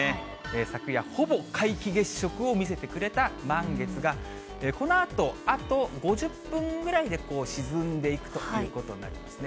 昨夜、ほぼ皆既月食を見せてくれた満月が、このあと、あと５０分ぐらいで沈んでいくということになりますね。